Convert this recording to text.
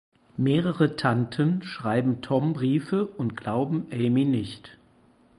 Mehrere Tanten schreiben Tom Briefe und glauben Amy nicht.